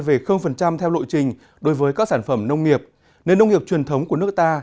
về theo lộ trình đối với các sản phẩm nông nghiệp nền nông nghiệp truyền thống của nước ta